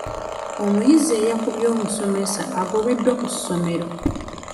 Omuyizi eyakubye omusomesa agobeddwa ku ssomero.